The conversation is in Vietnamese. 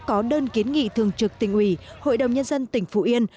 ơn kiến nghị thường trực tỉnh ủy hội đồng nhân dân tỉnh phú yên